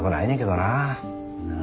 なあ。